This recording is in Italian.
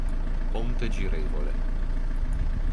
Ponte girevole